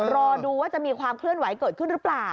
รอดูว่าจะมีความเคลื่อนไหวเกิดขึ้นหรือเปล่า